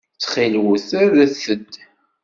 Ttxil-wet rret-d.